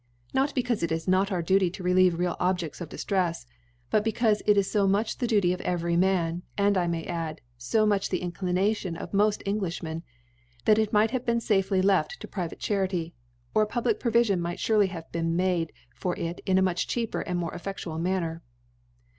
Not be* eaufe it is not our Duty to relieve real Ob jefts of Diftfeft , but becaufc it is fo much the Diitjr of every Man, and I may add, fo much the Inclination of mod Enghjhmefiy that it might have been fafely left to private Charity 5 or a public Provifion might furelyr fiav€ been made for it in a much cheaper and more efieftual Manner.